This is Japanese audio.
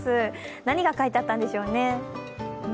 何が書いてあったんでしょうね。